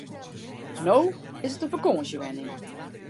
No is it in fakânsjewenning.